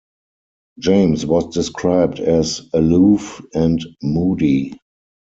James was described as aloof and moody.